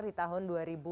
di tahun dua ribu dua puluh